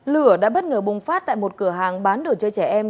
lửa đã bất ngờ bùng phát tại một cửa hàng bán đồ chơi trẻ em